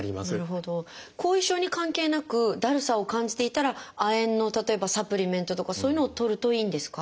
後遺症に関係なくだるさを感じていたら亜鉛の例えばサプリメントとかそういうのをとるといいんですか？